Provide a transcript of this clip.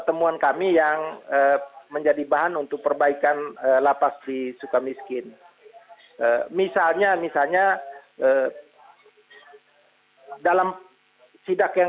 temuan kami yang menjadi bahan untuk perbaikan lapas di sukamiskin misalnya misalnya dalam sidak yang